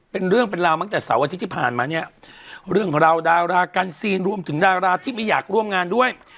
เป็นเรื่องเป็นราวตั้งแต่เสาร์อาทิตย์ที่ผ่านมาเนี่ยเรื่องราวดารากันซีนรวมถึงดาราที่ไม่อยากร่วมงานด้วย